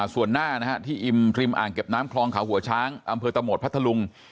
ส่วนหน้าที่อิมริมอ่างเก็บน้ำคลองเขาหัวช้างอำเภอตะโหมดพัทธลุง